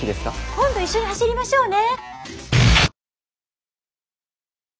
今度一緒に走りましょうね。